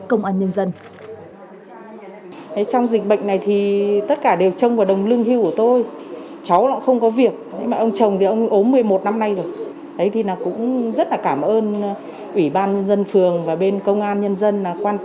công an nhân dân